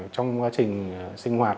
trong quá trình sinh hoạt